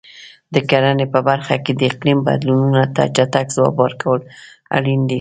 د کرنې په برخه کې د اقلیم بدلونونو ته چټک ځواب ورکول اړین دي.